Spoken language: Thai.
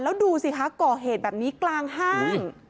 แล้วดูสิคะก่อเหตุแบบนี้กลางห้าง